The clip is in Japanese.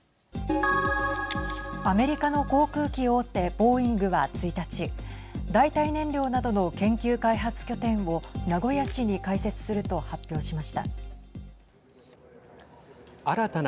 アメリカの航空機大手ボーイングは１日代替燃料などの研究開発拠点を名古屋市に開設すると発表しました。